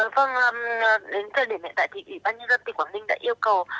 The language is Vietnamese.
vâng đến thời điểm hiện tại thì ủy ban nhân dân tỉnh quảng ninh đã yêu cầu